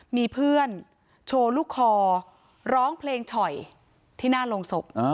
มีเพื่อนโชว์ลูกคอร้องเพลงฉ่อยที่หน้าโรงศพ